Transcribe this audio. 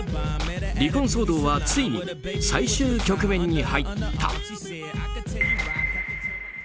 離婚騒動はついに最終局面に入った。